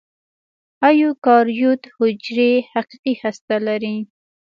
ایوکاریوت حجرې حقیقي هسته لري.